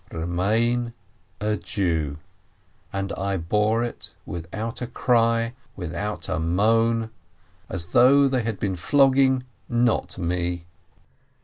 Remain a Jew," and I bore it without a cry, without a moan, as though they had been flogging not me.